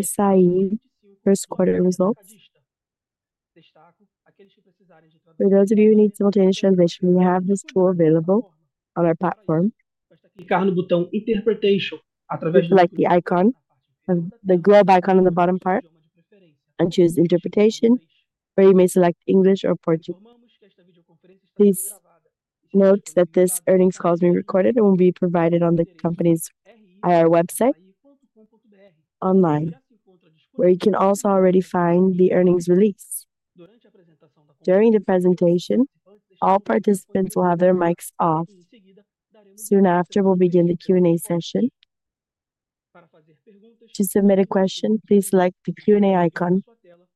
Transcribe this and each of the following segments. Aside first quarter results. Para os que precisarem de tradução. For those of you who need simultaneous translation, we have this tool available on our platform. Clicar no botão "Interpretation" através do. Select the icon, the globe icon in the bottom part, and choose "Interpretation," where you may select English or Portuguese. Please note that this earnings call has been recorded and will be provided on the company's IR website online, where you can also already find the earnings release. During the presentation, all participants will have their mics off. Soon after, we will begin the Q&A session. To submit a question, please select the Q&A icon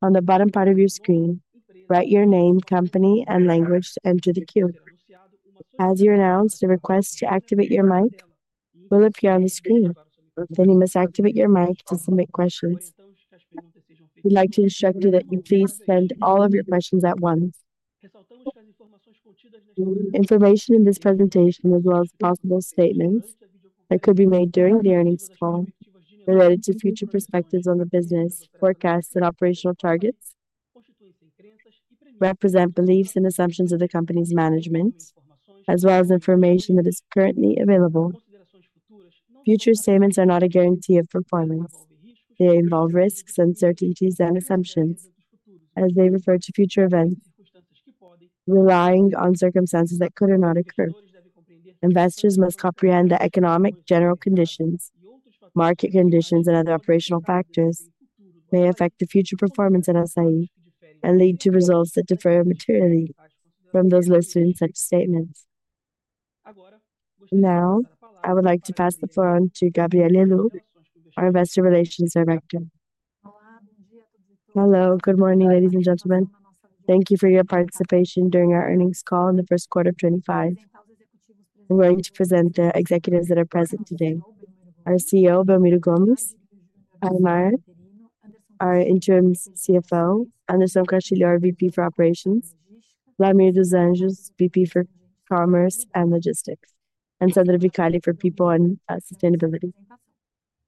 on the bottom part of your screen, write your name, company, and language to enter the queue. As you are announced, a request to activate your mic will appear on the screen. You must activate your mic to submit questions. We would like to instruct you that you please send all of your questions at once. Information in this presentation, as well as possible statements that could be made during the earnings call, related to future perspectives on the business, forecasts, and operational targets, represent beliefs and assumptions of the company's management, as well as information that is currently available. Future statements are not a guarantee of performance. They involve risks, uncertainties, and assumptions, as they refer to future events relying on circumstances that could or not occur. Investors must comprehend that economic general conditions, market conditions, and other operational factors may affect the future performance in Assaí and lead to results that differ materially from those listed in such statements. Now, I would like to pass the floor on to Gabrielle Helu, our Investor Relations Director. Hello, good morning, ladies and gentlemen. Thank you for your participation during our earnings call in the first quarter of 2025. I'm going to present the executives that are present today: our CEO, Belmiro Gomes, Admar, our interim CFO, Anderson Castilho, our VP for Operations, Vlamir dos Anjos, VP for Commerce and Logistics, and Sandra Vicali for People and Sustainability.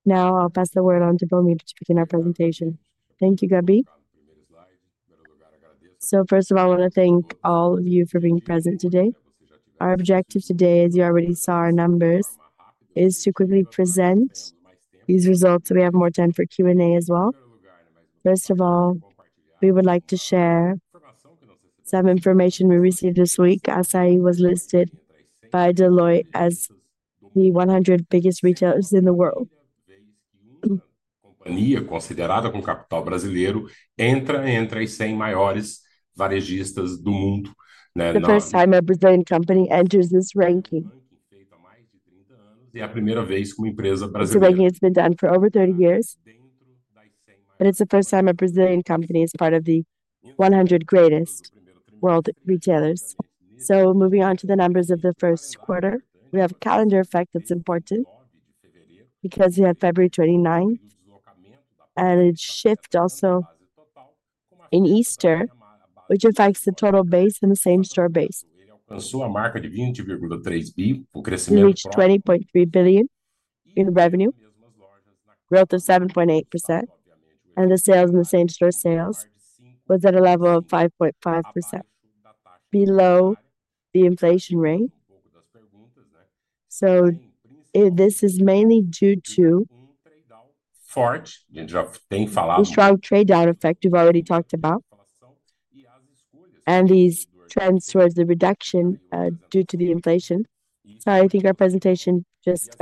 Now, I'll pass the word on to Belmiro to begin our presentation. Thank you, Gabi. First of all, I want to thank all of you for being present today. Our objective today, as you already saw our numbers, is to quickly present these results. We have more time for Q&A as well. First of all, we would like to share some information we received this week. Assaí was listed by Deloitte as the 100 biggest retailers in the world. Considerada com capital brasileiro, entra entre as 100 maiores varejistas do mundo. The first time a Brazilian company enters this ranking. É a primeira vez que uma empresa brasileira. This ranking has been done for over 30 years. It is the first time a Brazilian company is part of the 100 greatest world retailers. Moving on to the numbers of the first quarter, we have a calendar effect that is important because we have February 29, and it shifted also in Easter, which affects the total base and the same store base. Com sua marca de BRL 20.3 billion, o crescimento. Reached 20.3 billion in revenue, growth of 7.8%, and the sales in the same store sales was at a level of 5.5%, below the inflation rate. This is mainly due to a strong trade-down effect we've already talked about and these trends towards the reduction due to the inflation. Sorry, I think our presentation just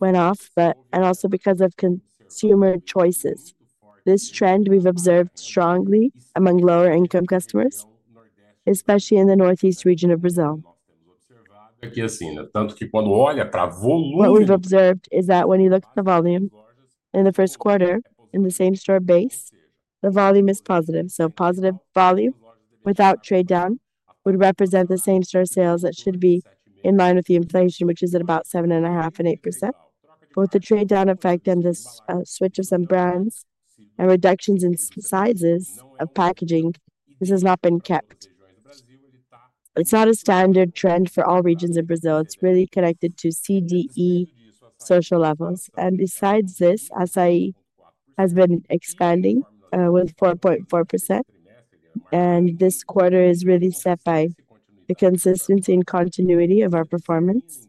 went off, but also because of consumer choices. This trend we've observed strongly among lower-income customers, especially in the Northeast region of Brazil. Tanto que quando olha para volume. What we've observed is that when you look at the volume in the first quarter in the same store base, the volume is positive. So, positive volume without trade-down would represent the same store sales that should be in line with the inflation, which is at about 7.5%-8%. But with the trade-down effect and this switch of some brands and reductions in sizes of packaging, this has not been kept. It is not a standard trend for all regions of Brazil. It is really connected to CDE social levels. And besides this, Assaí has been expanding with 4.4%. This quarter is really set by the consistency and continuity of our performance,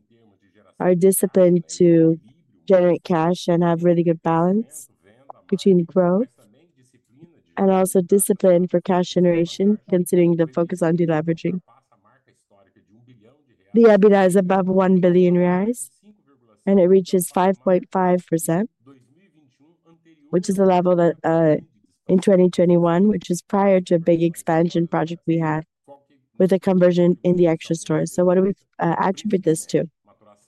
our discipline to generate cash, and have really good balance between growth and also discipline for cash generation, considering the focus on deleveraging. The EBITDA is above 1 billion reais, and it reaches 5.5%, which is the level in 2021, which is prior to a big expansion project we had with a conversion in the Extra stores. What do we attribute this to?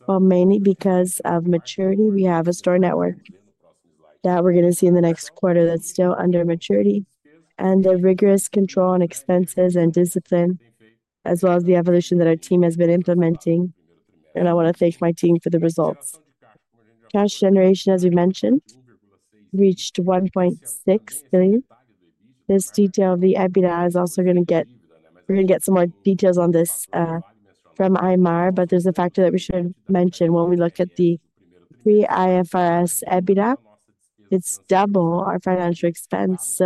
Mainly because of maturity. We have a store network that we are going to see in the next quarter that is still under maturity, and the rigorous control on expenses and discipline, as well as the evolution that our team has been implementing. I want to thank my team for the results. Cash generation, as we mentioned, reached 1.6 billion. This detail, the EBITDA is also going to get—we are going to get some more details on this from Admar, but there is a factor that we should mention. When we look at the pre-IFRS EBITDA, it is double our financial expense.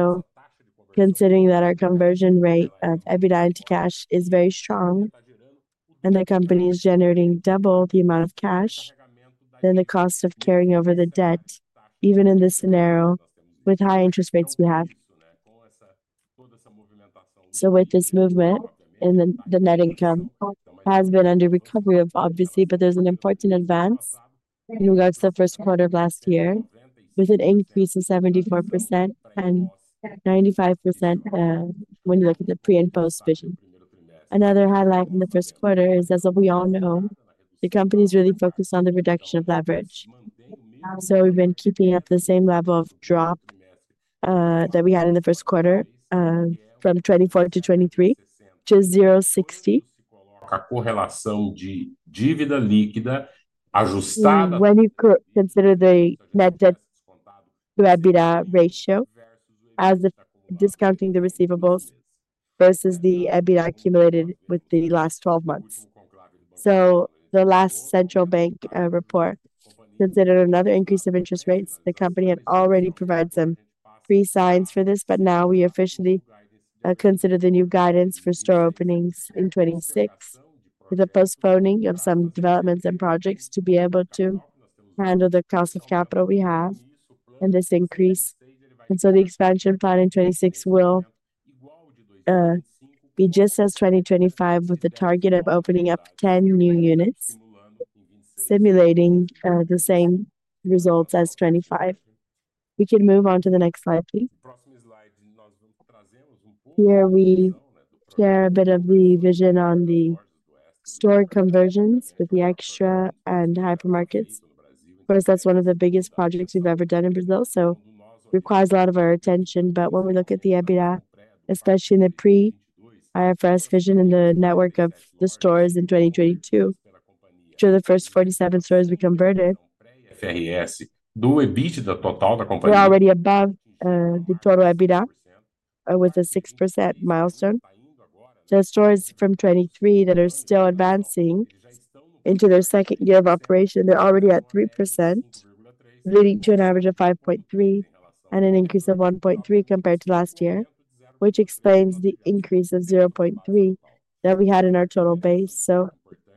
Considering that our conversion rate of EBITDA into cash is very strong and the company is generating double the amount of cash, then the cost of carrying over the debt, even in this scenario with high interest rates we have. With this movement, the net income has been under recovery, obviously, but there is an important advance in regards to the first quarter of last year with an increase of 74% and 95% when you look at the pre- and post-vision. Another highlight in the first quarter is, as we all know, the company is really focused on the reduction of leverage. We have been keeping at the same level of drop that we had in the first quarter from 2024 to 2023 to 0.60. A correlação de dívida líquida ajustada. When you consider the net debt to EBITDA ratio as discounting the receivables versus the EBITDA accumulated with the last 12 months. The last central bank report considered another increase of interest rates. The company had already provided some pre-signs for this, but now we officially consider the new guidance for store openings in 2026 with the postponing of some developments and projects to be able to handle the cost of capital we have and this increase. The expansion plan in 2026 will be just as 2025, with the target of opening up 10 new units, simulating the same results as 2025. We can move on to the next slide, please. Here, we share a bit of the vision on the store conversions with the Extra Hipermercados and hypermarkets. Of course, that's one of the biggest projects we've ever done in Brazil, so it requires a lot of our attention. When we look at the EBITDA, especially in the pre-IFRS vision and the network of the stores in 2022, which are the first 47 stores we converted. IFRS do EBITDA total da companhia. We're already above the total EBITDA with a 6% milestone. The stores from 2023 that are still advancing into their second year of operation, they're already at 3%, leading to an average of 5.3 and an increase of 1.3 compared to last year, which explains the increase of 0.3 that we had in our total base.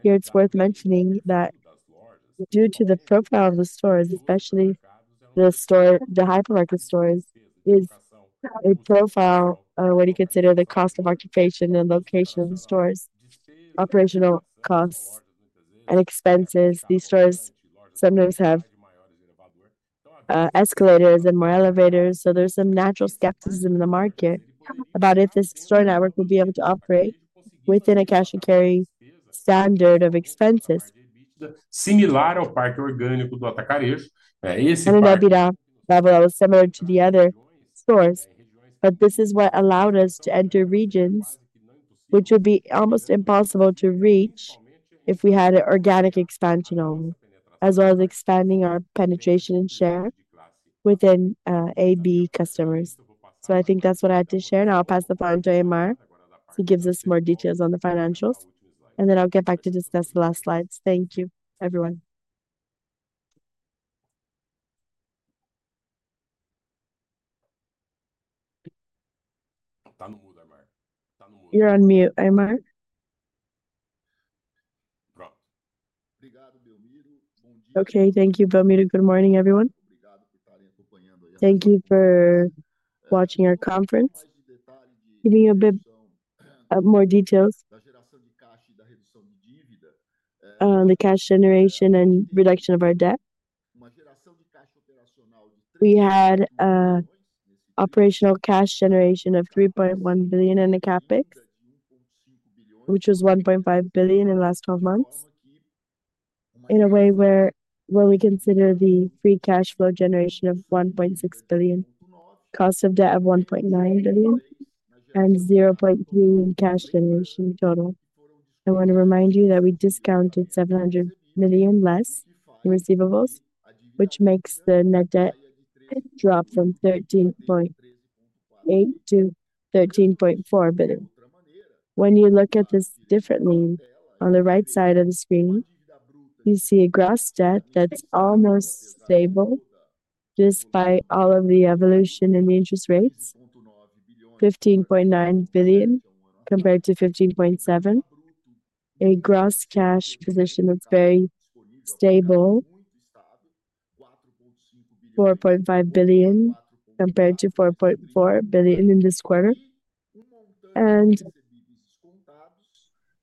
Here, it's worth mentioning that due to the profile of the stores, especially the hypermarket stores, it is a profile when you consider the cost of occupation and location of the stores, operational costs and expenses. These stores sometimes have escalators and more elevators. There is some natural skepticism in the market about if this store network will be able to operate within a cash and carry standard of expenses. Similar ao parque orgânico do Atacarejo. An EBITDA level that was similar to the other stores. This is what allowed us to enter regions which would be almost impossible to reach if we had an organic expansion only, as well as expanding our penetration and share within AB customers. I think that's what I had to share. Now, I'll pass the floor on to Admar, who gives us more details on the financials. I'll get back to discuss the last slides. Thank you, everyone. You're on mute, Admar. Thank you for watching our conference. Giving a bit more details. The cash generation and reduction of our debt. We had operational cash generation of 3.1 billion in the CapEx, which was 1.5 billion in the last 12 months, in a way where we consider the free cash flow generation of 1.6 billion, cost of debt of 1.9 billion, and 0.3 billion in cash generation total. I want to remind you that we discounted 700 million less in receivables, which makes the net debt drop from 13.8 billion to 13.4 billion. When you look at this differently, on the right side of the screen, you see a gross debt that's almost stable despite all of the evolution in the interest rates, 15.9 billion compared to 15.7 billion, a gross cash position that's very stable, 4.5 billion compared to 4.4 billion in this quarter, and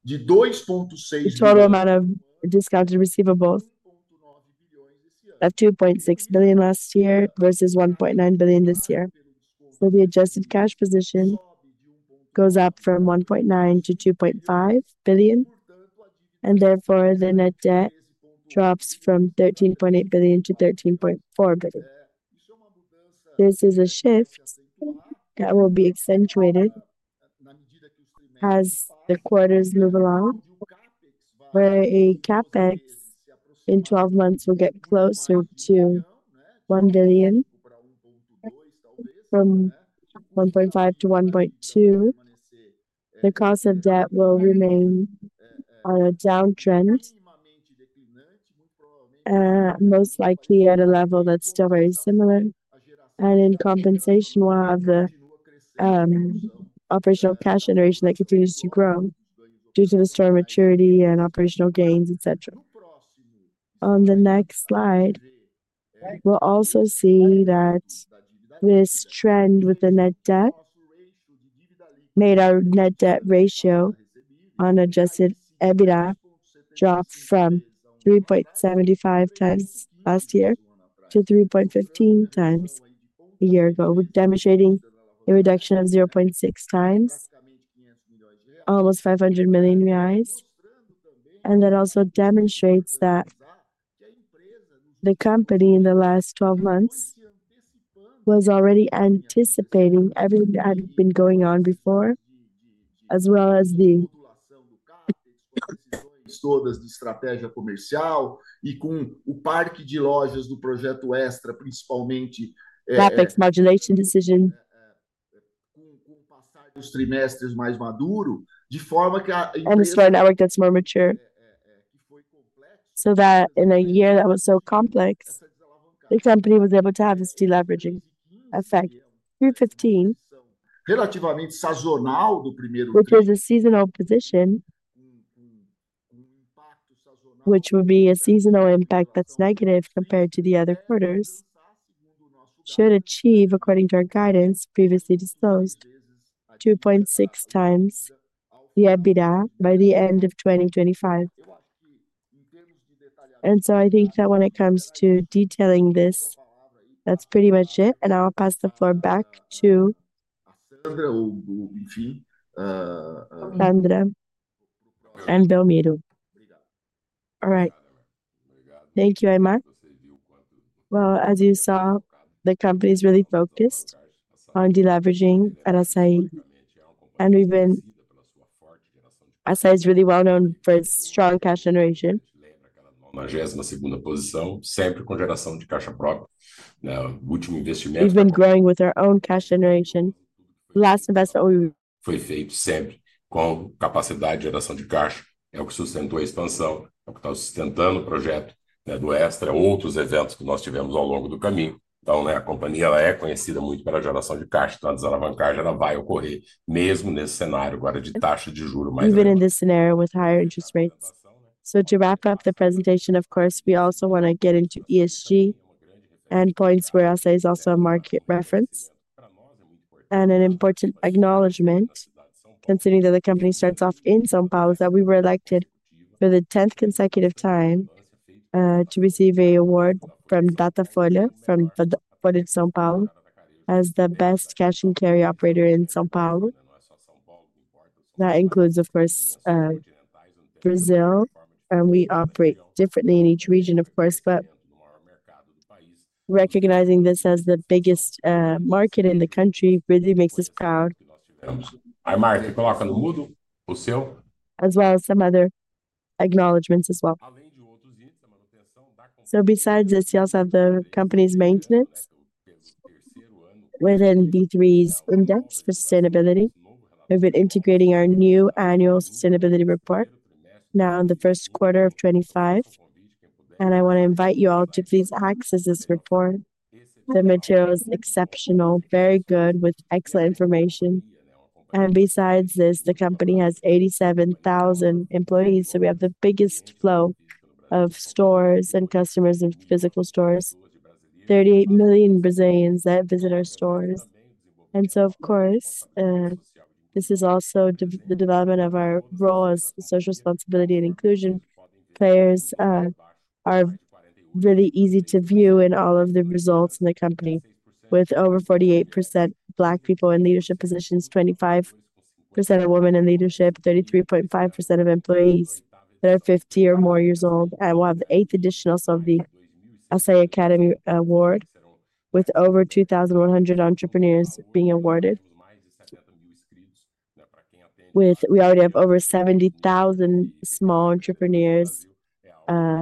the total amount of discounted receivables of 2.6 billion last year versus 1.9 billion this year. The adjusted cash position goes up from 1.9 billion to 2.5 billion, and therefore, the net debt drops from 13.8 billion to 13.4 billion. This is a shift that will be accentuated as the quarters move along, where a CapEx in 12 months will get closer to 1 billion, from 1.5 billion to 1.2 billion. The cost of debt will remain on a downtrend, most likely at a level that's still very similar, and in compensation of the operational cash generation that continues to grow due to the store maturity and operational gains, etc. On the next slide, we'll also see that this trend with the net debt made our net debt ratio on adjusted EBITDA drop from 3.75 times last year to 3.15 times a year ago, demonstrating a reduction of 0.6 times, almost 500 million reais. That also demonstrates that the company in the last 12 months was already anticipating everything that had been going on before, as well as the. Com o estratégia de lojas do projeto Extra, principalmente. CapEx modulation decision. Com o passar dos trimestres mais maduro, de forma que a. The store network that's more mature. In a year that was so complex, the company was able to have this deleveraging effect. Relativamente sazonal do primeiro. Which is a seasonal position, which would be a seasonal impact that's negative compared to the other quarters, should achieve, according to our guidance previously disclosed, 2.6 times the EBITDA by the end of 2025. I think that when it comes to detailing this, that's pretty much it. I'll pass the floor back to Sandra and Belmiro. All right. Thank you, Admar. As you saw, the company is really focused on deleveraging at Assaí. And we've been. Assaí is really well known for its strong cash generation. Na 22ª posição, sempre com geração de caixa própria. O último investimento. We've been growing with our own cash generation. Last investment we. Foi feito sempre com capacidade de geração de caixa. É o que sustentou a expansão, é o que está sustentando o projeto do Extra, outros eventos que nós tivemos ao longo do caminho. Então, a companhia é conhecida muito pela geração de caixa, então a desalavancagem vai ocorrer mesmo nesse cenário agora de taxa de juro. Even in this scenario with higher interest rates. To wrap up the presentation, of course, we also want to get into ESG endpoints, where Assaí is also a market reference. An important acknowledgment, considering that the company starts off in São Paulo, is that we were elected for the 10th consecutive time to receive an award from Datafolha, from Folha de S.Paulo, as the best cash and carry operator in São Paulo. That includes, of course, Brazil, and we operate differently in each region, of course, but recognizing this as the biggest market in the country really makes us proud. Admar, você coloca no mudo o seu. As well as some other acknowledgments as well. Besides this, we also have the company's maintenance within B3's index for sustainability, with integrating our new annual sustainability report now in the first quarter of 2025. I want to invite you all to please access this report. The material is exceptional, very good, with excellent information. Besides this, the company has 87,000 employees, so we have the biggest flow of stores and customers and physical stores, 38 million Brazilians that visit our stores. Of course, this is also the development of our role as social responsibility and inclusion players are really easy to view in all of the results in the company, with over 48% Black people in leadership positions, 25% of women in leadership, 33.5% of employees that are 50 or more years old. We will have the 8th edition also of the Assaí Academy Award, with over 2,100 entrepreneurs being awarded. We already have over 70,000 small entrepreneurs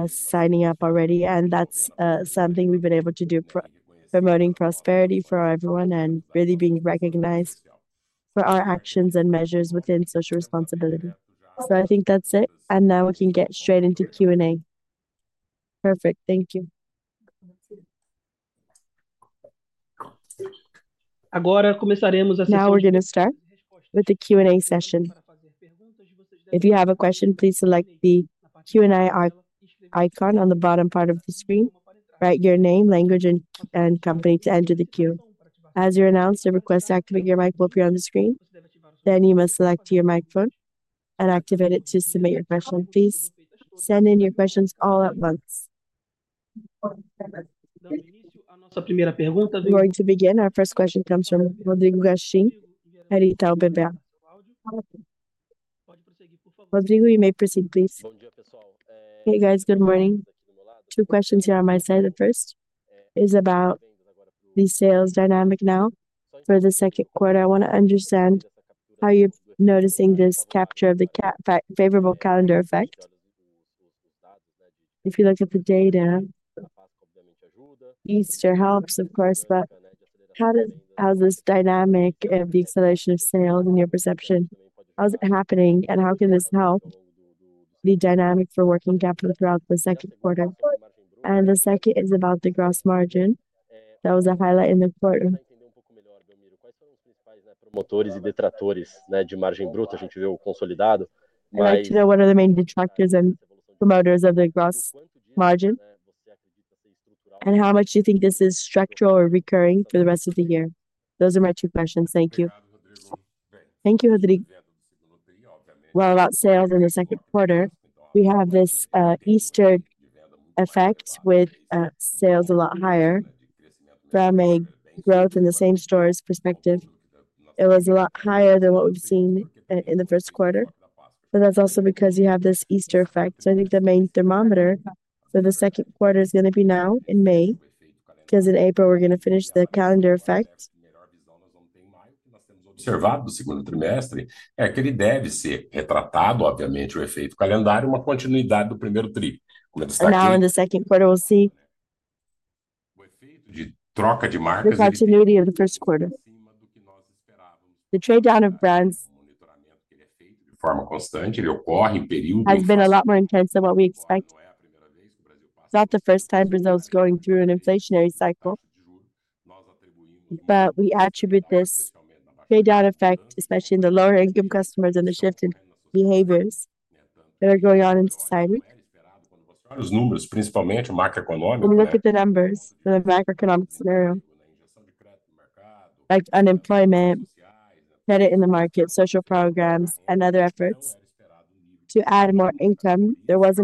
signing up already, and that is something we have been able to do, promoting prosperity for everyone and really being recognized for our actions and measures within social responsibility. I think that is it. Now we can get straight into Q&A. Perfect. Thank you. Now we are going to start with the Q&A session. If you have a question, please select the Q&A icon on the bottom part of the screen. Write your name, language, and company to enter the queue. As you are announced, I request you activate your mic while you are on the screen. You must select your microphone and activate it to submit your question. Please send in your questions all at once. We are going to begin. Our first question comes from Rodrigo Gastim, Itaú BBA. Rodrigo, you may proceed, please. Hey, guys, good morning. Two questions here on my side. The first is about the sales dynamic now for the second quarter. I want to understand how you're noticing this capture of the favorable calendar effect. If you look at the data, Easter helps, of course, but how does this dynamic and the acceleration of sales in your perception, how is it happening, and how can this help the dynamic for working capital throughout the second quarter? The second is about the gross margin. That was a highlight in the quarter. Quais foram os principais promotores e detratores de margem bruta? A gente vê o consolidado. I'd like to know what are the main detractors and promoters of the gross margin, and how much do you think this is structural or recurring for the rest of the year? Those are my two questions. Thank you. Thank you, Rodrigo. About sales in the second quarter, we have this Easter effect with sales a lot higher from a growth in the same stores perspective. It was a lot higher than what we've seen in the first quarter, but that's also because you have this Easter effect. I think the main thermometer for the second quarter is going to be now in May, because in April we're going to finish the calendar effect. Observado do segundo trimestre é que ele deve ser retratado, obviamente, o efeito calendário, uma continuidade do primeiro tri. Now, in the second quarter, we'll see. O efeito de troca de marcas. The continuity of the first quarter. The trade down of brands. O monitoramento que ele é feito de forma constante, ele ocorre em períodos. Has been a lot more intense than what we expect. It's not the first time Brazil is going through an inflationary cycle. We attribute this trade-down effect, especially in the lower-income customers and the shift in behaviors that are going on in society. When we look at the numbers for the macroeconomic scenario, like unemployment, credit in the market, social programs, and other efforts to add more income, there was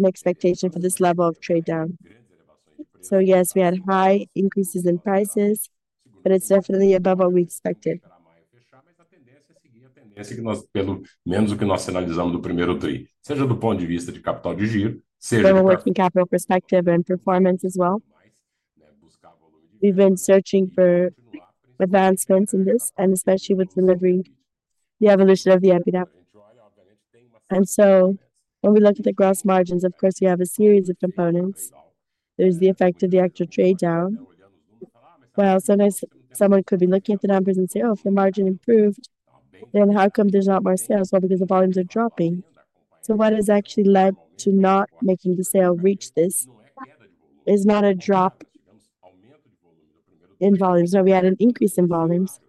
an expectation for this level of trade-down. Yes, we had high increases in prices, but it is definitely above what we expected. A tendência é seguir a tendência que nós, pelo menos o que nós sinalizamos do primeiro tri, seja do ponto de vista de capital de giro, seja de. From a working capital perspective and performance as well. We've been searching for advancements in this, and especially with delivering the evolution of the EBITDA. When we look at the gross margins, of course, we have a series of components. There is the effect of the actual trade-down. Someone could be looking at the numbers and say, "Oh, if the margin improved, then how come there's not more sales?" Because the volumes are dropping. What has actually led to not making the sale reach this is not a drop in volumes. We had an increase in volumes.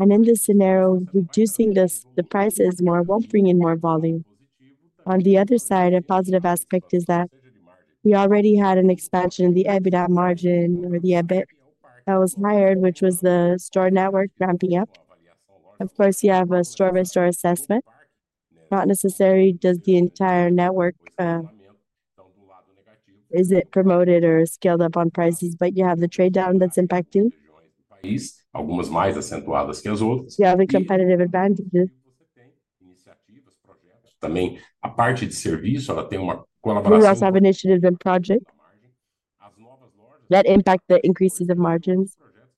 In this scenario, reducing the prices more will not bring in more volume. On the other side, a positive aspect is that we already had an expansion in the EBITDA margin or the EBIT that was higher, which was the store network ramping up. Of course, you have a store-by-store assessment. Not necessarily does the entire network, is it promoted or scaled up on prices, but you have the trade down that's impacting. Algumas mais acentuadas que as outras. You have the competitive advantages. Também a parte de serviço, ela tem uma colaboração. You also have initiatives and projects that impact the increases of margins.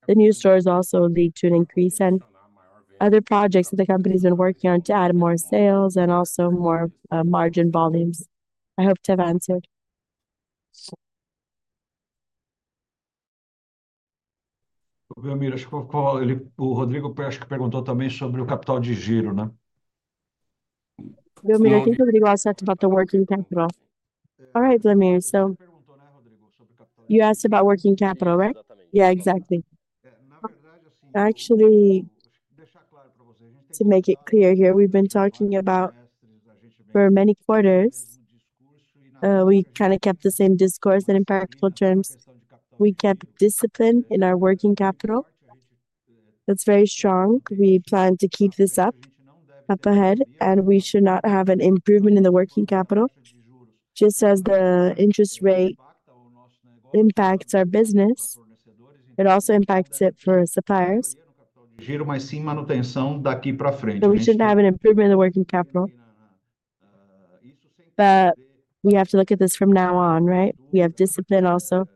The new stores also lead to an increase in other projects that the company's been working on to add more sales and also more margin volumes. I hope to have answered. Belmiro, acho que o Rodrigo perguntou também sobre o capital de giro, né? Belmiro, I think Rodrigo asked about the working capital. All right, Belmiro. You asked about working capital, right? Yeah, exactly. Actually, to make it clear here, we have been talking about for many quarters, we kind of kept the same discourse in practical terms. We kept discipline in our working capital. That is very strong. We plan to keep this up, up ahead, and we should not have an improvement in the working capital. Just as the interest rate impacts our business, it also impacts it for suppliers. Só que a gente deve have an improvement in the working capital. We have to look at this from now on, right? We have discipline also.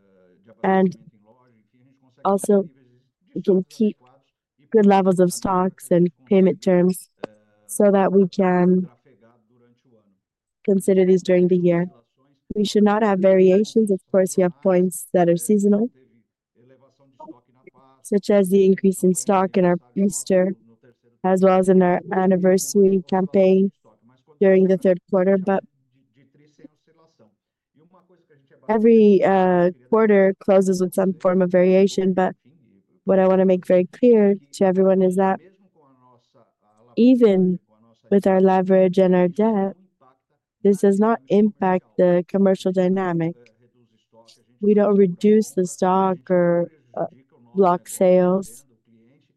Also, we can keep good levels of stocks and payment terms so that we can consider these during the year. We should not have variations. Of course, we have points that are seasonal, such as the increase in stock in our Easter, as well as in our anniversary campaign during the third quarter. Every quarter closes with some form of variation. What I want to make very clear to everyone is that even with our leverage and our debt, this does not impact the commercial dynamic. We do not reduce the stock or block sales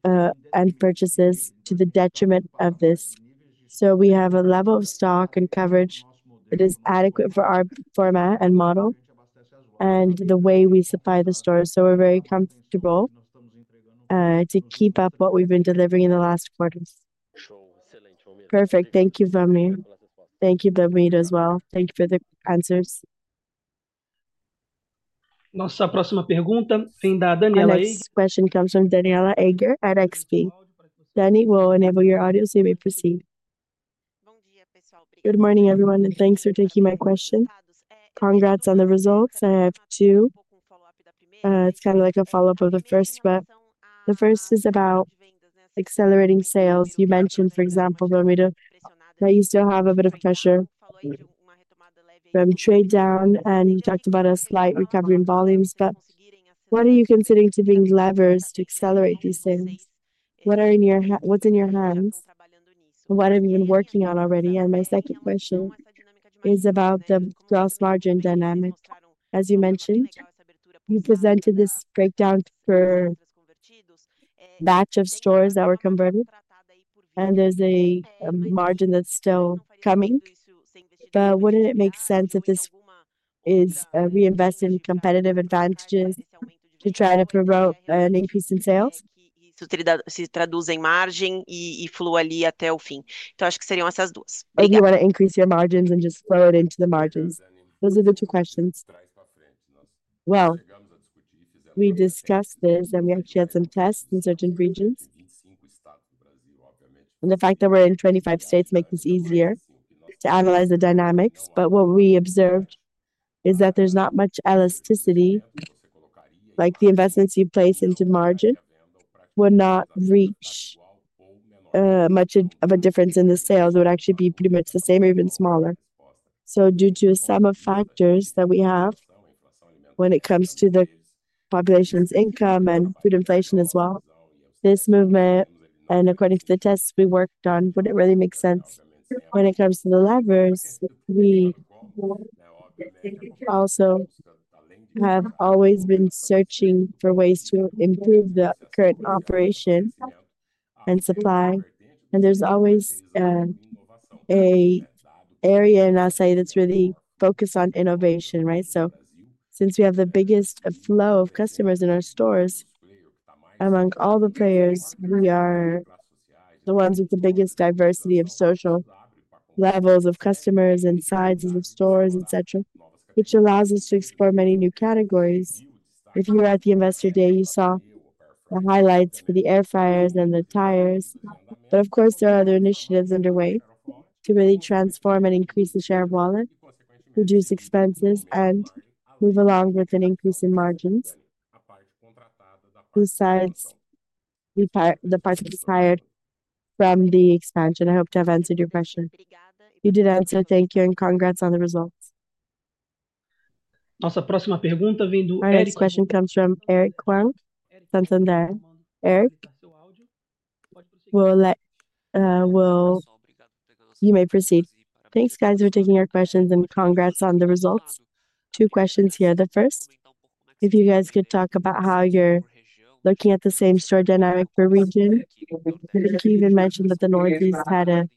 and purchases to the detriment of this. We have a level of stock and coverage that is adequate for our format and model and the way we supply the stores. We're very comfortable to keep up what we've been delivering in the last quarter. Perfect. Thank you, Belmiro. Thank you, Belmiro, as well. Thank you for the answers. Nossa próxima pergunta vem da Danniela Eiger. This question comes from Danniela Eiger at XP. Dani, we'll enable your audio, so you may proceed. Good morning, everyone, and thanks for taking my question. Congrats on the results. I have two. It's kind of like a follow-up of the first, but the first is about accelerating sales. You mentioned, for example, Belmiro, that you still have a bit of pressure from trade-down, and you talked about a slight recovery in volumes. What are you considering to be levers to accelerate these sales? What's in your hands? What have you been working on already? My second question is about the gross margin dynamic. As you mentioned, you presented this breakdown for a batch of stores that were converted, and there's a margin that's still coming. Wouldn't it make sense if this is reinvested in competitive advantages to try to promote an increase in sales? Se traduz em margem e flua ali até o fim. Então, acho que seriam essas duas. You want to increase your margins and just flow it into the margins. Those are the two questions. e discussed this, and we actually had some tests in certain regions. The fact that we're in 25 states makes this easier to analyze the dynamics. What we observed is that there's not much elasticity. The investments you place into margin would not reach much of a difference in the sales. It would actually be pretty much the same or even smaller. Due to a sum of factors that we have when it comes to the population's income and food inflation as well, this movement, and according to the tests we worked on, would not really make sense when it comes to the levers. We also have always been searching for ways to improve the current operation and supply. There is always an area in Assaí that's really focused on innovation, right? Since we have the biggest flow of customers in our stores, among all the players, we are the ones with the biggest diversity of social levels of customers and sizes of stores, etc., which allows us to explore many new categories. If you were at the investor day, you saw the highlights for the air fryers and the tires. Of course, there are other initiatives underway to really transform and increase the share of wallet, reduce expenses, and move along with an increase in margins. Besides, the part that was hired from the expansion. I hope to have answered your question. You did answer. Thank you, and congrats on the results. Nossa próxima pergunta vem do Eric. Next question comes from Eric Huang. Something there. Eric, you may proceed. Thanks, guys, for taking our questions, and congrats on the results. Two questions here. The first, if you guys could talk about how you're looking at the same-store dynamic per region. You even mentioned that the Northeast had a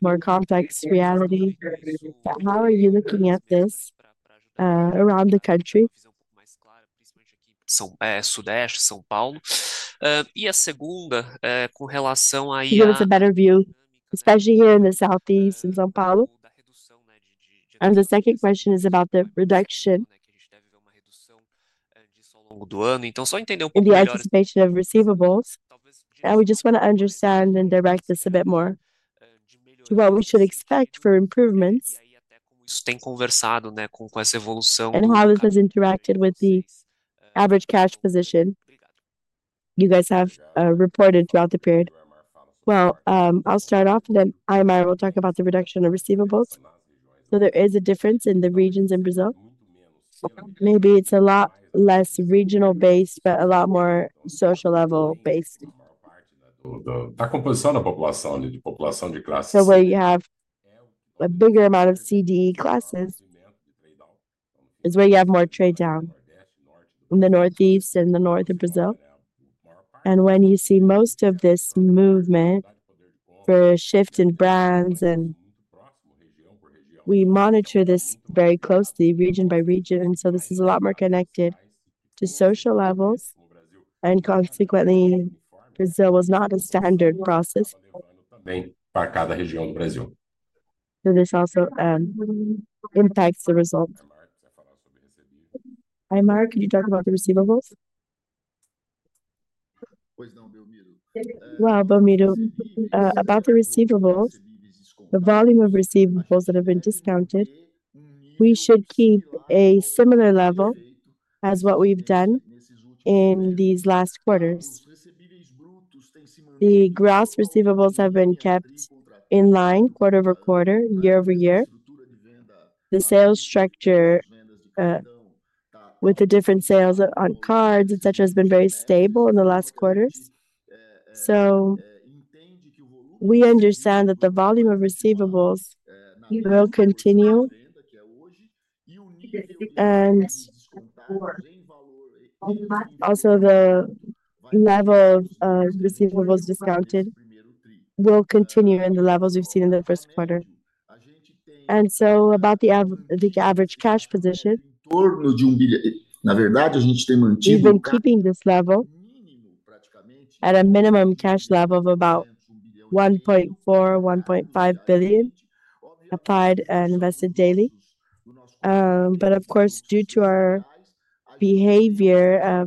more complex reality. How are you looking at this around the country? São é Sudeste, São Paulo. E a segunda é com relação aí. Give us a better view, especially here in the Southeast in São Paulo. The second question is about the reduction. A gente deve ver uma redução disso ao longo do ano. Então, só entender pouco aí. The anticipation of receivables. We just want to understand and direct us a bit more to what we should expect for improvements. Isso tem conversado com essa evolução. How this has interacted with the average cash position you guys have reported throughout the period. I'll start off, and then I and Mari will talk about the reduction of receivables. There is a difference in the regions in Brazil. Maybe it's a lot less regional-based, but a lot more social-level-based. Da composição da população de classes. Where you have a bigger amount of CDE classes is where you have more trade-down in the Northeast and the North of Brazil. When you see most of this movement for a shift in brands, we monitor this very closely, region by region. This is a lot more connected to social levels, and consequently, Brazil was not a standard process. Também para cada região do Brasil. This also impacts the result. Hi, Mari, can you talk about the receivables? Belmiro, about the receivables, the volume of receivables that have been discounted, we should keep a similar level as what we've done in these last quarters. The gross receivables have been kept in line, quarter over quarter, year over year. The sales structure with the different sales on cards, etc., has been very stable in the last quarters. We understand that the volume of receivables will continue, and also the level of receivables discounted will continue in the levels we've seen in the first quarter. About the average cash position. Na verdade, a gente tem mantido. We've been keeping this level at a minimum cash level of about 1.4 billion-1.5 billion applied and invested daily. Of course, due to our behavior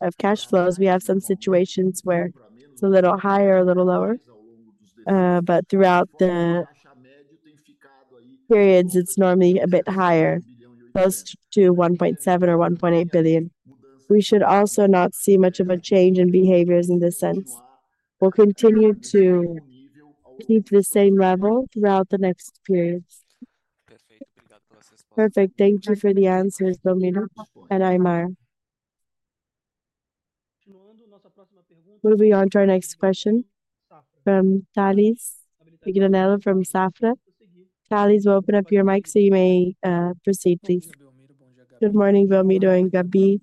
of cash flows, we have some situations where it's a little higher or a little lower. Throughout the periods, it's normally a bit higher, close to 1.7 billion-1.8 billion. We should also not see much of a change in behaviors in this sense. We'll continue to keep the same level throughout the next periods. Perfect. Thank you for the answers, Belmiro and Admar. Moving on to our next question from Tales. We get another from Safra. Tales, we'll open up your mic, so you may proceed, please. Good morning, Belmiro and Gabi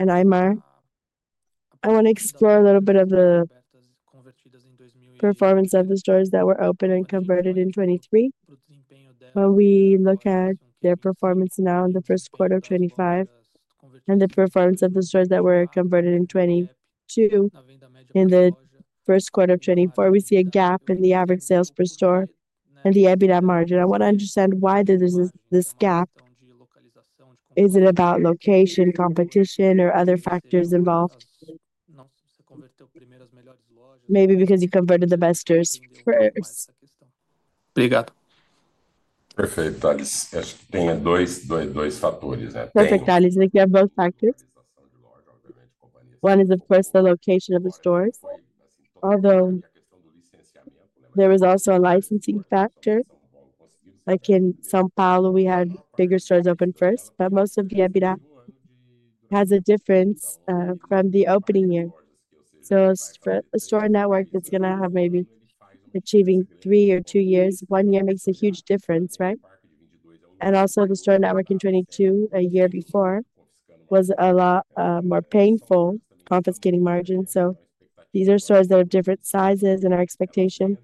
and Admar. I want to explore a little bit of the performance of the stores that were opened and converted in 2023. When we look at their performance now in the first quarter of 2025 and the performance of the stores that were converted in 2022 in the first quarter of 2024, we see a gap in the average sales per store and the EBITDA margin. I want to understand why there's this gap. Is it about location, competition, or other factors involved? Maybe because you converted the best stores first. Obrigado. Perfeito, Thales. Acho que tem dois fatores. Perfect, Thales. We have both factors. One is, of course, the location of the stores. Although there was also a licensing factor. Like in São Paulo, we had bigger stores open first, but most of the EBITDA has a difference from the opening year. A store network that is going to have maybe achieving three or two years, one year makes a huge difference, right? Also, the store network in 2022, a year before, was a lot more painful, confiscating margins. These are stores that have different sizes, and our expectation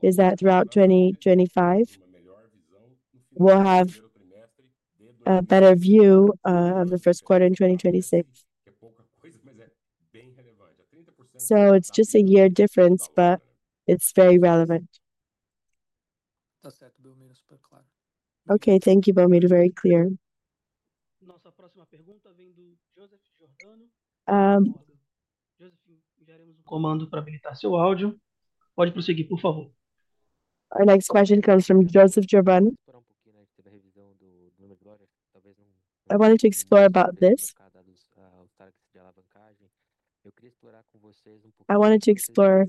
is that throughout 2025, we will have a better view of the first quarter in 2026. It is just a year difference, but it is very relevant. Okay, thank you, Belmiro. Very clear. Nossa próxima pergunta vem do Joseph Giordano. Joseph, enviaremos comando para habilitar seu áudio. Pode prosseguir, por favor. Our next question comes from Joseph Giordano. A gente teve a revisão do número de lojas, talvez não. I wanted to explore about this. Os targets de alavancagem. Eu queria explorar com vocês pouquinho. I wanted to explore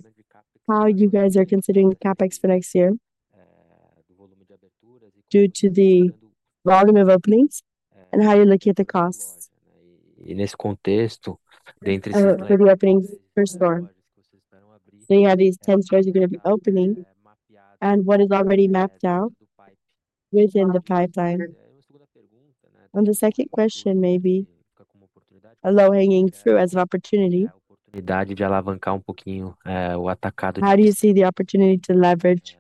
how you guys are considering CapEx for next year. Do volume de aberturas. Due to the volume of openings and how you're looking at the costs. E nesse contexto, dentre. For the openings per store, you have these 10 stores you're going to be opening and what is already mapped out within the pipeline. On the second question, maybe a low hanging fruit as an opportunity. A oportunidade de alavancar pouquinho o atacado. How do you see the opportunity to leverage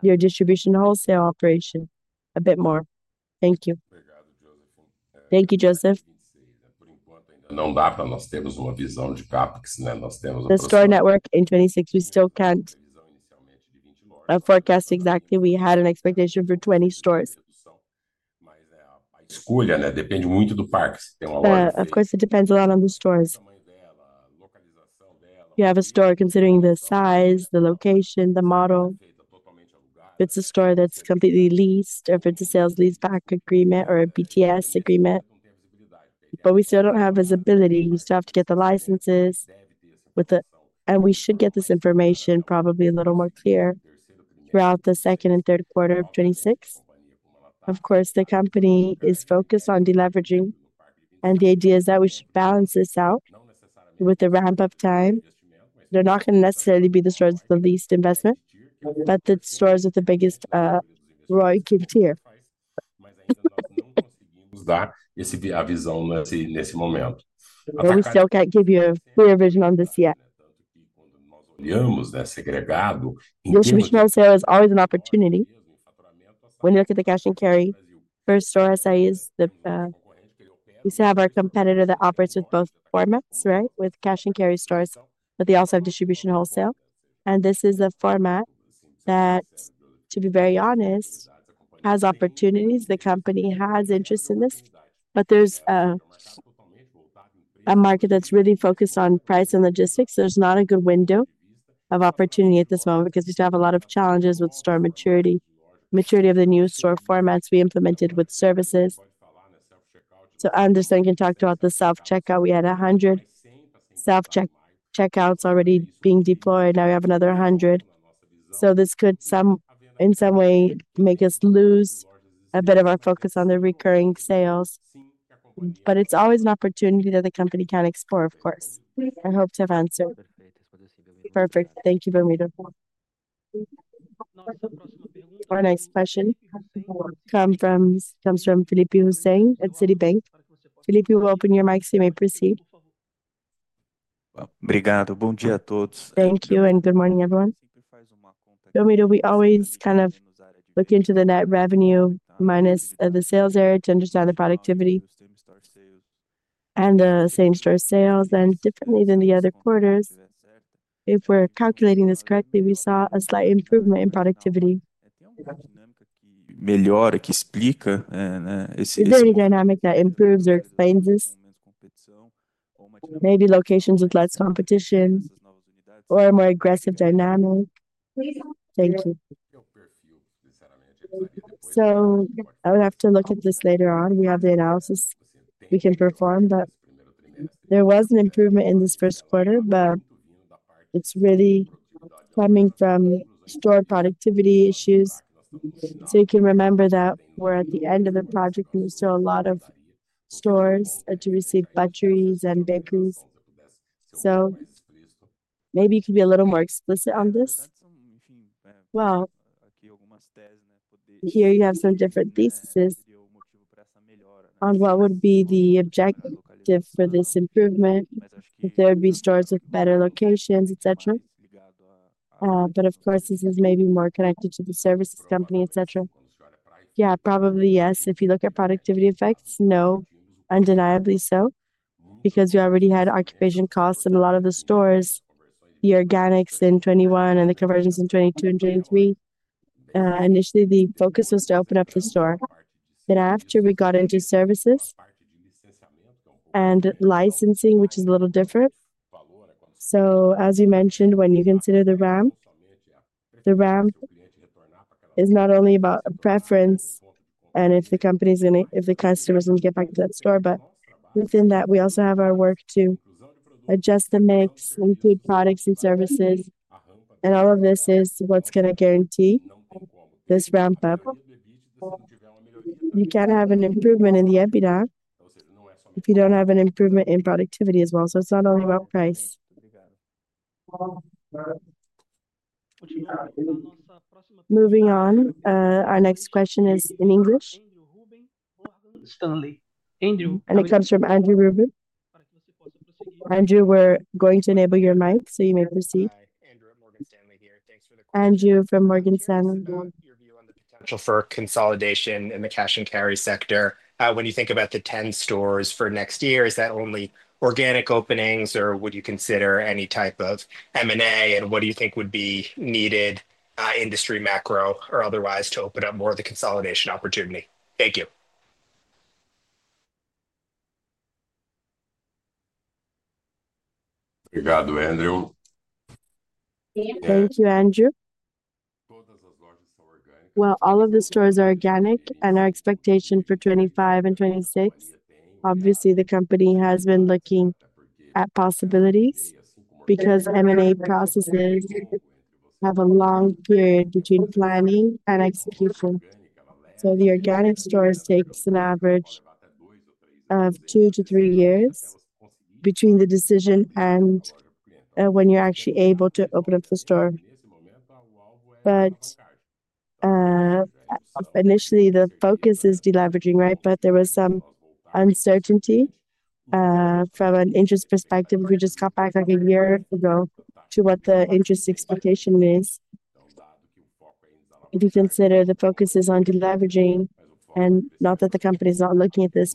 your distribution wholesale operation a bit more? Thank you. Obrigado, Joseph. Thank you, Joseph. Por enquanto, ainda não dá para nós termos uma visão de CapEx. Nós temos. The store network in 2026, we still can't. A forecast exactly, we had an expectation for 20 stores. Mas a escolha depende muito do parque. Of course, it depends a lot on the stores. You have a store considering the size, the location, the model. If it is a store that is completely leased, if it is a sales lease back agreement or a BTS agreement. We still do not have visibility. We still have to get the licenses. We should get this information probably a little more clear throughout the second and third quarter of 2026. The company is focused on deleveraging, and the idea is that we should balance this out with the ramp-up time. They are not going to necessarily be the stores with the least investment, but the stores with the biggest ROI can tier. Mas ainda não conseguimos dar essa visão nesse momento. We still cannot give you a clear vision on this yet. Distribution wholesale is always an opportunity. When you look at the cash and carry first store SAEs, we still have our competitor that operates with both formats, right? With cash and carry stores, but they also have distribution wholesale. This is a format that, to be very honest, has opportunities. The company has interest in this, but there is a market that is really focused on price and logistics. There is not a good window of opportunity at this moment because we still have a lot of challenges with store maturity, maturity of the new store formats we implemented with services. Anderson can talk about the self-checkout. We had 100 self-checkouts already being deployed. Now we have another 100. This could, in some way, make us lose a bit of our focus on the recurring sales. It is always an opportunity that the company can explore, of course. I hope to have answered. Perfect. Thank you, Belmiro. Our next question comes from Felipe Hussein at Citigroup. Felipe, we will open your mic so you may proceed. Obrigado. Bom dia a todos. Thank you, and good morning, everyone. Belmiro, we always kind of look into the net revenue minus the sales area to understand the productivity and the same-store sales and differently than the other quarters. If we're calculating this correctly, we saw a slight improvement in productivity. Melhora que explica. It's a very dynamic that improves or explains this. Maybe locations with less competition or a more aggressive dynamic. Thank you. I would have to look at this later on. We have the analysis we can perform, but there was an improvement in this first quarter, but it's really coming from store productivity issues. You can remember that we're at the end of the project. We still have a lot of stores to receive butcheries and bakeries. Maybe you could be a little more explicit on this. You have some different theses on what would be the objective for this improvement, if there would be stores with better locations, etc. Of course, this is maybe more connected to the services company, etc. Yeah, probably yes. If you look at productivity effects, no, undeniably so, because we already had occupation costs in a lot of the stores, the organics in 2021 and the conversions in 2022 and 2023. Initially, the focus was to open up the store. After we got into services and licensing, which is a little different. As you mentioned, when you consider the RAM, the RAM is not only about a preference and if the company's in it, if the customers can get back to that store, but within that, we also have our work to adjust the mix, include products and services. All of this is what's going to guarantee this ramp-up. You can't have an improvement in the EBITDA if you don't have an improvement in productivity as well. It is not only about price. Moving on, our next question is in English. It comes from Andrew Ruben. Andrew, we are going to enable your mic, so you may proceed. Andrew from Morgan Stanley. Potential for consolidation in the cash and carry sector. When you think about the 10 stores for next year, is that only organic openings, or would you consider any type of M&A, and what do you think would be needed industry macro or otherwise to open up more of the consolidation opportunity? Thank you. Obrigado, Andrew. Thank you, Andrew. All of the stores are organic, and our expectation for 2025 and 2026, obviously, the company has been looking at possibilities because M&A processes have a long period between planning and execution. The organic stores take an average of two to three years between the decision and when you're actually able to open up the store. Initially, the focus is deleveraging, right? There was some uncertainty from an interest perspective. We just got back like a year ago to what the interest expectation is. If you consider the focus is on deleveraging, and not that the company is not looking at this,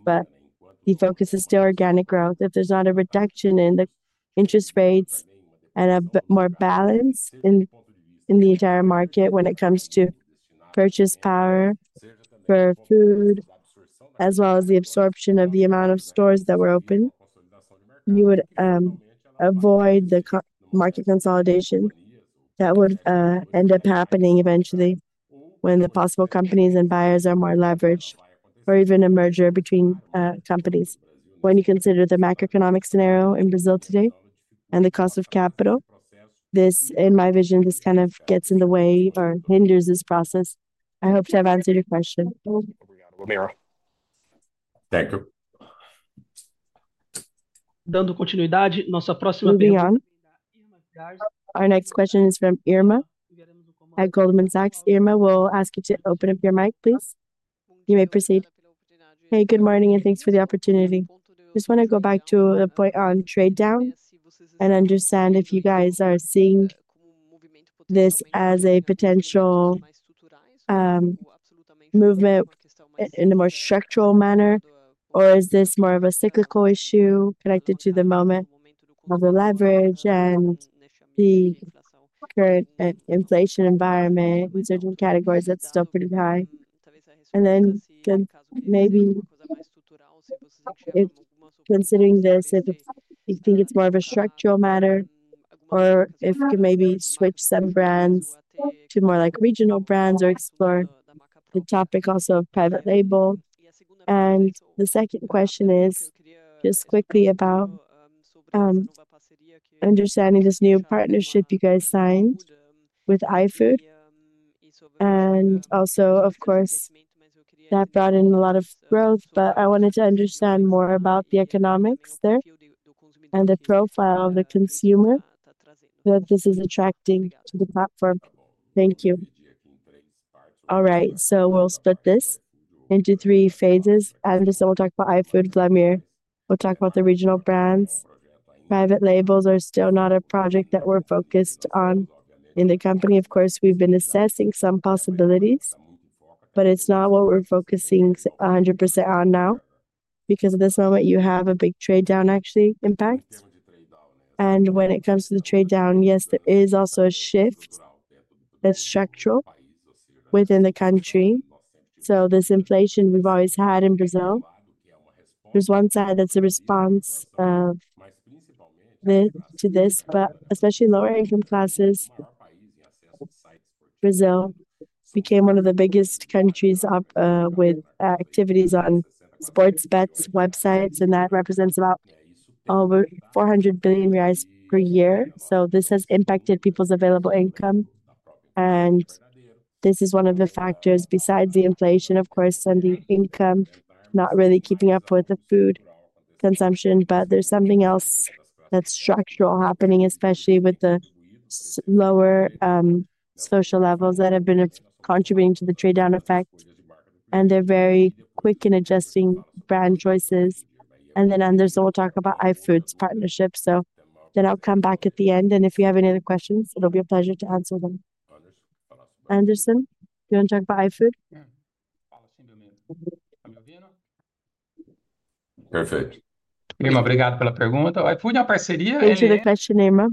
the focus is still organic growth. If there's not a reduction in the interest rates and a bit more balance in the entire market when it comes to purchase power for food, as well as the absorption of the amount of stores that were open, you would avoid the market consolidation that would end up happening eventually when the possible companies and buyers are more leveraged or even a merger between companies. When you consider the macroeconomic scenario in Brazil today and the cost of capital, this, in my vision, just kind of gets in the way or hinders this process. I hope to have answered your question. Thank you. Dando continuidade, nossa próxima pergunta. Our next question is from Irma. At Goldman Sachs, Irma, we'll ask you to open up your mic, please. You may proceed. Hey, good morning, and thanks for the opportunity. Just want to go back to the point on trade down and understand if you guys are seeing this as a potential movement in a more structural manner, or is this more of a cyclical issue connected to the moment of the leverage and the current inflation environment? Certain categories, that's still pretty high. Maybe considering this, if you think it's more of a structural matter, or if you can maybe switch some brands to more regional brands or explore the topic also of private label. The second question is just quickly about understanding this new partnership you guys signed with iFood. Also, of course, that brought in a lot of growth, but I wanted to understand more about the economics there and the profile of the consumer that this is attracting to the platform. Thank you. All right, so we'll split this into three phases. Anderson will talk about iFood, Vlamir will talk about the regional brands. Private labels are still not a project that we're focused on in the company. Of course, we've been assessing some possibilities, but it's not what we're focusing 100% on now because at this moment, you have a big trade-down actually impact. When it comes to the trade-down, yes, there is also a shift that's structural within the country. This inflation we've always had in Brazil, there's one side that's a response to this, but especially lower income classes. Brazil became one of the biggest countries with activities on sports bets websites, and that represents about over 400 billion reais per year. This has impacted people's available income. This is one of the factors besides the inflation, of course, and the income not really keeping up with the food consumption. There is something else that is structural happening, especially with the lower social levels that have been contributing to the trade-down effect. They are very quick in adjusting brand choices. Anderson will talk about iFood's partnership. I will come back at the end. If you have any other questions, it will be a pleasure to answer them. Anderson, do you want to talk about iFood? Perfeito. Irma, obrigado pela pergunta. O iFood é uma parceria. Thank you for the question, Irma.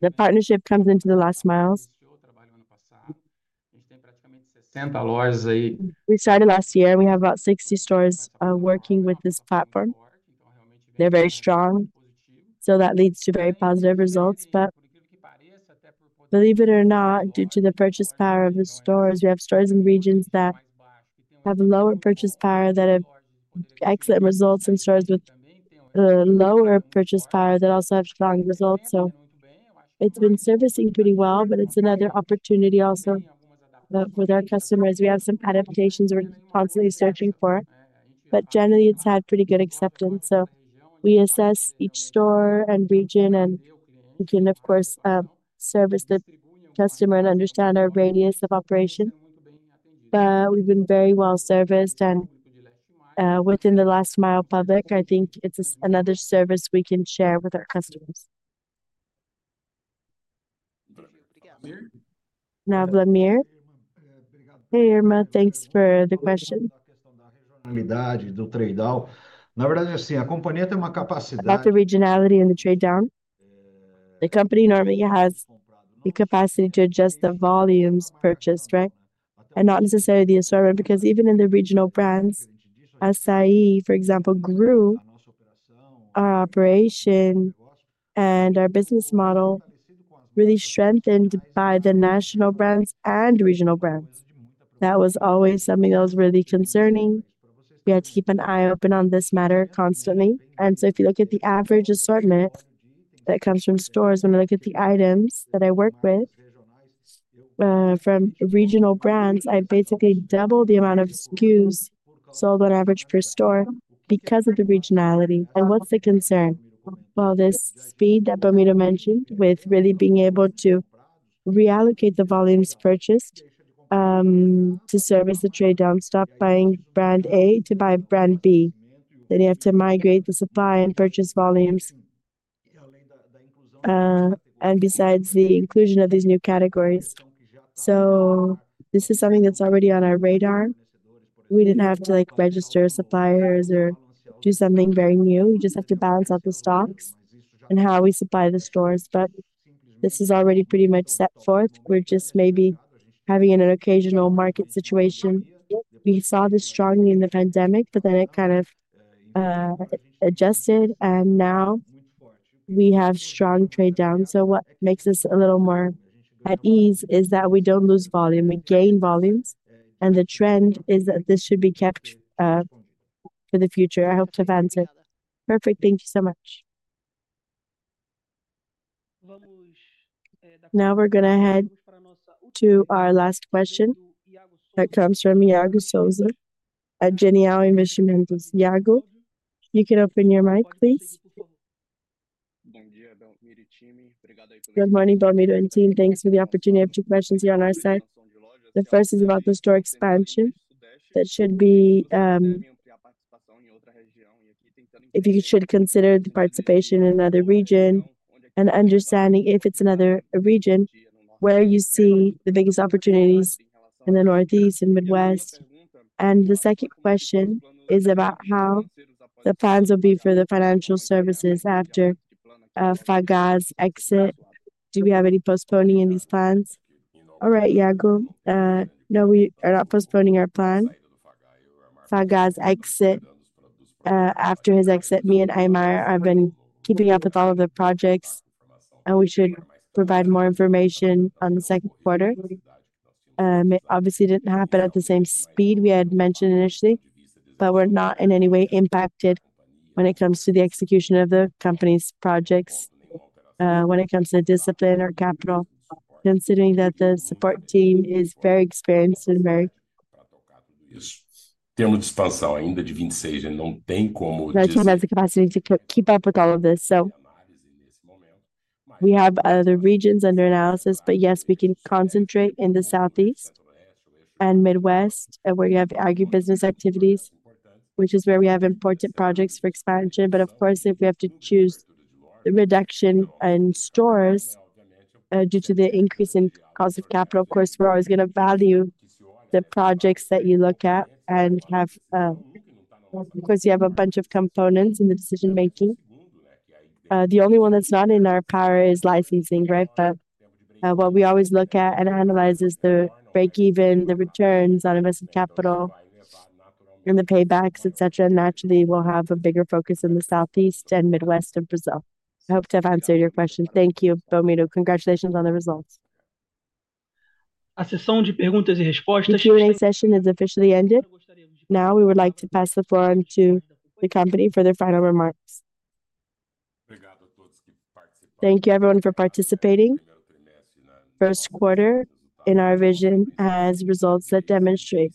The partnership comes into the last miles. A gente tem praticamente 60 lojas aí. We started last year. We have about 60 stores working with this platform. They're very strong. That leads to very positive results. Believe it or not, due to the purchase power of the stores, we have stores in regions that have lower purchase power that have excellent results and stores with lower purchase power that also have strong results. It has been servicing pretty well, but it's another opportunity also with our customers. We have some adaptations we're constantly searching for, but generally, it's had pretty good acceptance. We assess each store and region, and we can, of course, service the customer and understand our radius of operation. We have been very well serviced. Within the last mile public, I think it's another service we can share with our customers. Now, Vlamir. Hey, Irma, thanks for the question. Na realidade, do trade-down. Na verdade, assim, a companhia tem uma capacidade. That's the regionality in the trade down. The company normally has the capacity to adjust the volumes purchased, right? Not necessarily the assortment, because even in the regional brands, Assaí, for example, grew our operation and our business model really strengthened by the national brands and regional brands. That was always something that was really concerning. We had to keep an eye open on this matter constantly. If you look at the average assortment that comes from stores, when I look at the items that I work with from regional brands, I basically double the amount of SKUs sold on average per store because of the regionality. What's the concern? This speed that Belmiro mentioned with really being able to reallocate the volumes purchased to service the trade down, stop buying brand A to buy brand B. You have to migrate the supply and purchase volumes. Besides the inclusion of these new categories, this is something that's already on our radar. We did not have to register suppliers or do something very new. We just have to balance out the stocks and how we supply the stores. This is already pretty much set forth. We are just maybe having an occasional market situation. We saw this strongly in the pandemic, but then it kind of adjusted. Now we have strong trade down. What makes us a little more at ease is that we do not lose volume. We gain volumes. The trend is that this should be kept for the future. I hope to have answered. Perfect. Thank you so much. Now we are going to head to our last question that comes from Iago Souza. You can open your mic, please. Good morning, Belmiro and team. Thanks for the opportunity of two questions here on our side. The first is about the store expansion that should be if you should consider the participation in another region and understanding if it's another region where you see the biggest opportunities in the Northeast and Midwest. The second question is about how the plans will be for the financial services after Faga's exit. Do we have any postponing in these plans? All right, Iago. No, we are not postponing our plan. Faga's exit, after his exit, me and Aymar have been keeping up with all of the projects, and we should provide more information on the second quarter. It obviously didn't happen at the same speed we had mentioned initially, but we're not in any way impacted when it comes to the execution of the company's projects, when it comes to discipline or capital, considering that the support team is very experienced and very. Temos expansão ainda de 26, não tem como. Not too much capacity to keep up with all of this. We have other regions under analysis, but yes, we can concentrate in the Southeast and Midwest, and where you have agribusiness activities, which is where we have important projects for expansion. Of course, if we have to choose the reduction in stores due to the increase in cost of capital, we are always going to value the projects that you look at and have. Of course, you have a bunch of components in the decision-making. The only one that is not in our power is licensing, right? What we always look at and analyze is the break-even, the returns on investment capital, and the paybacks, etc. Naturally, we will have a bigger focus in the Southeast and Midwest of Brazil. I hope to have answered your question. Thank you, Belmiro. Congratulations on the results. The Q&A session has officially ended. Now we would like to pass the floor on to the company for their final remarks. Thank you, everyone, for participating. First quarter in our vision has results that demonstrate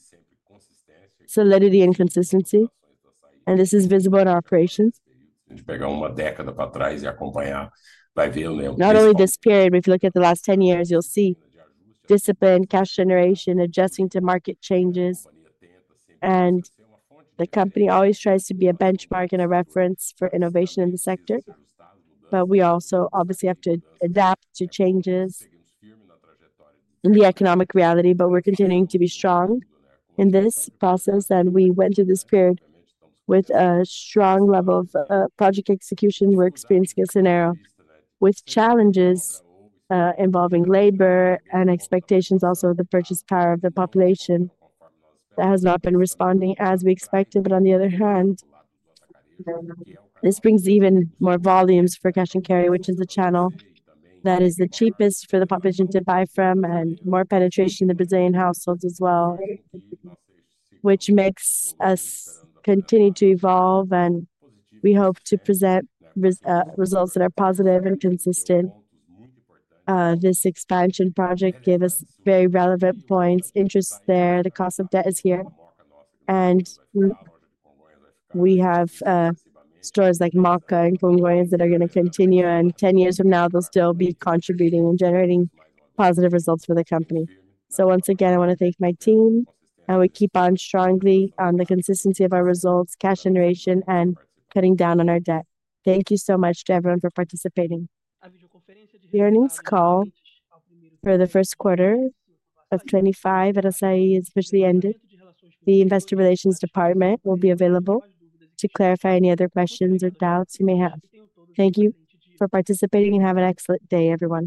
solidity and consistency, and this is visible in our operations. Not only this period, but if you look at the last 10 years, you'll see discipline, cash generation, adjusting to market changes. The company always tries to be a benchmark and a reference for innovation in the sector. We also obviously have to adapt to changes in the economic reality. We're continuing to be strong in this process. We went through this period with a strong level of project execution. We're experiencing a scenario with challenges involving labor and expectations also of the purchase power of the population that has not been responding as we expected. On the other hand, this brings even more volumes for cash and carry, which is the channel that is the cheapest for the population to buy from and more penetration in the Brazilian households as well, which makes us continue to evolve. We hope to present results that are positive and consistent. This expansion project gave us very relevant points, interest there. The cost of debt is here. We have stores like Moca and Congonhas that are going to continue. Ten years from now, they'll still be contributing and generating positive results for the company. Once again, I want to thank my team, and we keep on strongly on the consistency of our results, cash generation, and cutting down on our debt. Thank you so much to everyone for participating. The earnings call for the first quarter of 2025 at Assaí has officially ended. The investor relations department will be available to clarify any other questions or doubts you may have. Thank you for participating and have an excellent day, everyone.